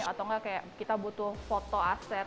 kalau ada promo atau menu baru atau kita butuh foto aset